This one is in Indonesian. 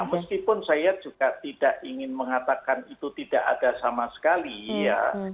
meskipun saya juga tidak ingin mengatakan itu tidak ada sama sekali ya